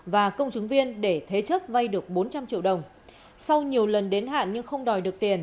và công chứng viên để thế chấp vay được bốn trăm linh triệu đồng sau nhiều lần đến hạn nhưng không đòi được tiền